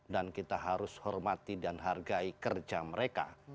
dan kita harus hormati dan hargai kerja mereka